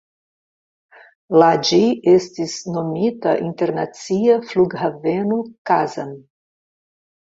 La ĝi estis nomita Internacia flughaveno Kazan.